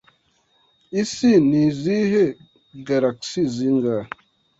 Isi nizihe galaxy zingahe?